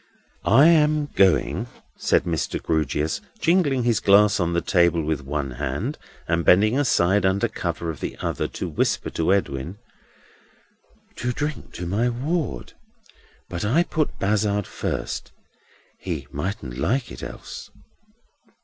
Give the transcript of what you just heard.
"I am going," said Mr. Grewgious, jingling his glass on the table with one hand, and bending aside under cover of the other, to whisper to Edwin, "to drink to my ward. But I put Bazzard first. He mightn't like it else."